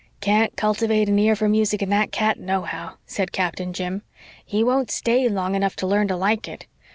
"Can't cultivate an ear for music in that cat nohow," said Captain Jim. "He won't stay long enough to learn to like it.